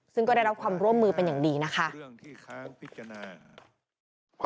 ซึ่งก็ได้รับความร่วมมือเป็นอย่างดีนะคะ